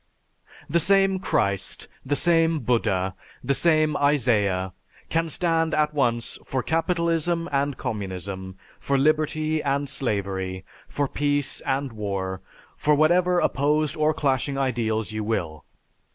_The same Christ, the same Buddha, the same Isaiah, can stand at once for capitalism and communism, for liberty and slavery, for peace and war, for whatever opposed or clashing ideals you will.